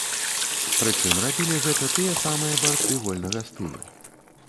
Прычым рабілі гэта тыя самыя барцы вольнага стылю.